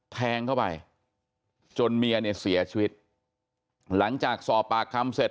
แทงเข้าไปจนเมียเนี่ยเสียชีวิตหลังจากสอบปากคำเสร็จ